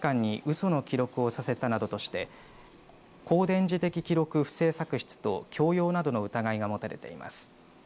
その記録をさせたなどとして公電磁的記録不正作出と供用などの疑いが持たれています。